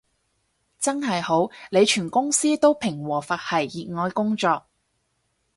真係好，你全公司都平和佛系熱愛工作